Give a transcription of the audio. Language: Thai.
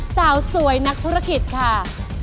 สาวสวยนักธุรกิจค่ะ